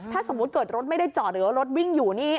ถ้าสมมุติเกิดรถไม่ได้จอดหรือว่ารถวิ่งอยู่นี่